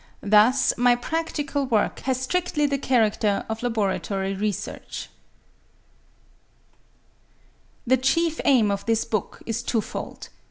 Thus my practical work has strictly the character of laboratory research. The chief aim of this book is twofold.